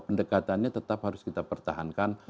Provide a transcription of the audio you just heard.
pendekatannya tetap harus kita pertahankan